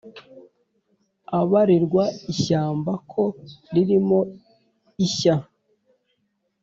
abarirwa ishyamba ko ririmo ishya